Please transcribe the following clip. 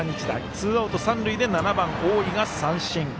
ツーアウト、三塁で７番、大井が三振。